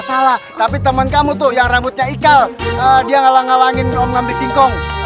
salah kalian karyanya memang hai caput yang rambutnya ikal dia ngalah ngalahin om opposing